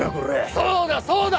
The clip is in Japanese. そうだそうだ！